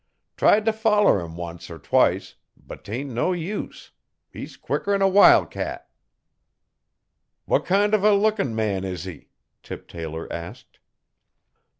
Tried t' foller 'im once er twice but tain' no use. He's quicker 'n a wil' cat.' 'What kind of a lookin' man is he?' Tip Taylor asked.